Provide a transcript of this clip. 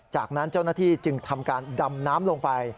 จากนั้นเจ้าหน้าที่จึงทำการดำน้ำลงไป